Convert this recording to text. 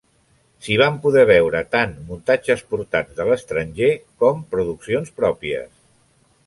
S'hi van poder veure tant muntatges portats de l'estranger com produccions pròpies.